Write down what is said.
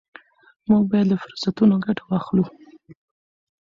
موږ باید له فرصتونو ګټه واخلو.